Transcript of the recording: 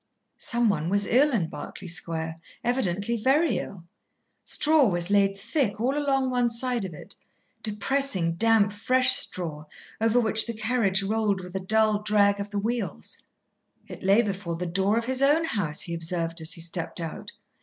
Some one was ill in Berkeley Square, evidently very ill. Straw was laid thick all along one side of it, depressing damp, fresh straw, over which the carriage rolled with a dull drag of the wheels. It lay before the door of his own house, he observed, as he stepped out.